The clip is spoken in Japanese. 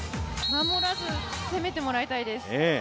守らず、攻めてもらいたいです。